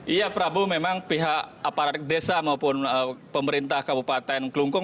iya prabu memang pihak aparat desa maupun pemerintah kabupaten klungkung